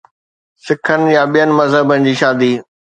سکن يا ٻين مذهبن جي شادي.